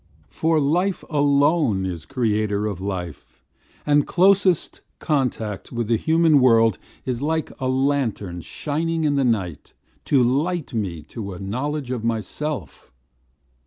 For life alone is creator of life, And closest contact with the human world Is like a lantern shining in the night To light me to a knowledge of myself.